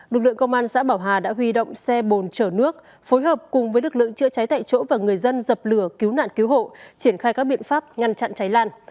lực lượng công an xã bảo hà đã huy động xe bồn chở nước phối hợp cùng với lực lượng chữa cháy tại chỗ và người dân dập lửa cứu nạn cứu hộ triển khai các biện pháp ngăn chặn cháy lan